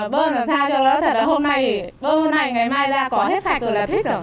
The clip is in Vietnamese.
bơm làm sao cho nó thật là hôm nay bơm hôm nay ngày mai ra có hết sạch rồi là hết rồi